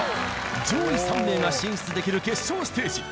上位３名が進出できる決勝ステージ。